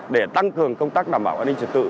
để tăng cường công tác đảm bảo an ninh trật tự